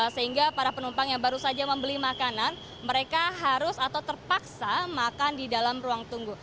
sehingga para penumpang yang baru saja membeli makanan mereka harus atau terpaksa makan di dalam ruang tunggu